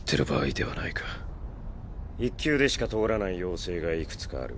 １級でしか通らない要請がいくつかある。